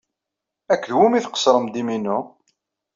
Akked wumi i tqeṣṣrem diminu?